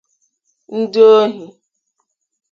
ndị ohi